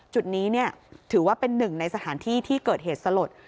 จุดนี้ถือว่าเป็นหนึ่งในสถานที่ที่เกิดเหตุสลด